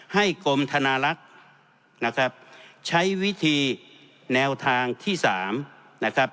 กรมธนาลักษณ์นะครับใช้วิธีแนวทางที่สามนะครับ